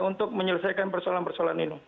untuk menyelesaikan persoalan persoalan ini